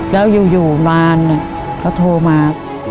แล้วอยู่มารเขาโทรมา